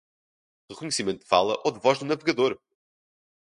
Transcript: Reconhecimento de fala ou de voz do navegador!